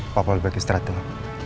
papa lebih baik istirahat dulu